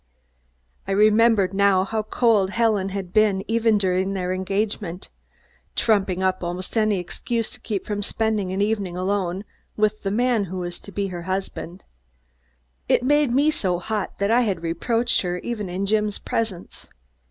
I remembered now how cold Helen had been, even during their engagement, trumping up almost any excuse to keep from spending an evening alone with the man who was to be her husband. It had made me so hot that I had reproached her even in Jim's presence.